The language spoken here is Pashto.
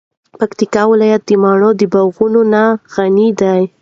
پکتیکا ولایت د مڼو د باغونو نه غنی ده.